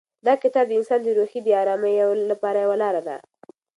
دا کتاب د انسان د روح د ارامۍ لپاره یوه لاره ده.